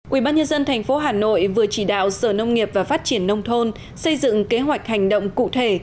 ubnd tp hà nội vừa chỉ đạo sở nông nghiệp và phát triển nông thôn xây dựng kế hoạch hành động cụ thể